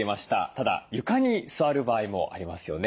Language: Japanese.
ただ床に座る場合もありますよね。